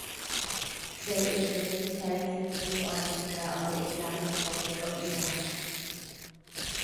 There is the Military Symphony Orchestra of the Islamic Republic of Iran.